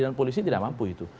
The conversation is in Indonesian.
polisi tidak mampu itu